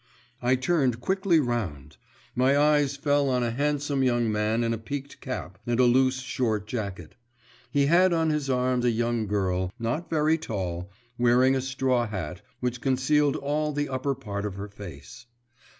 I turned quickly round.… My eyes fell on a handsome young man in a peaked cap and a loose short jacket. He had on his arm a young girl, not very tall, wearing a straw hat, which concealed all the upper part of her face.